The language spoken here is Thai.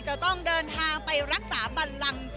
จะต้องเดินทางไปรักษาบันลัง